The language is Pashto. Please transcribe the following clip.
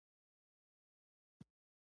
دغلغلې تاريخي ښار په باميانو کې موقعيت لري